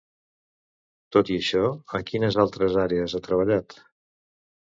Tot i això, en quines altres àrees ha treballat?